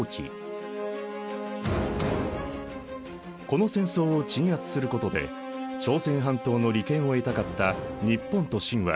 この戦争を鎮圧することで朝鮮半島の利権を得たかった日本と清はともに宣戦布告。